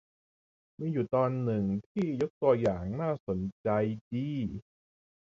มีอยู่ตอนหนึ่งที่ยกตัวอย่างน่าสนใจดี